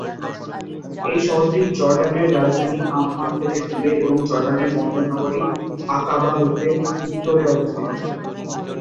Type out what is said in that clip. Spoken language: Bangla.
এই শহরটি জর্ডানের রাজধানী আম্মান থেকে দূরে, এবং জর্ডানের বন্দরনগরী আকাবা হতে উত্তরে অবস্থিত।